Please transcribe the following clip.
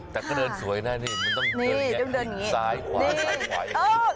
แต่ก็เดินสวยน่ะมันต้องเดินแยะซ้ายขวาซ้ายขวาย